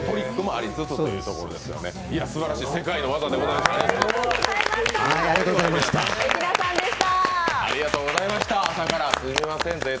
すばらしい、世界の技でございました。